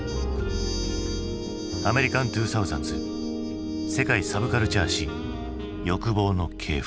アメリカン２０００ｓ「世界サブカルチャー史欲望の系譜」。